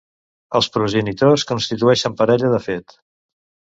Els progenitors constitueixen parella de fet.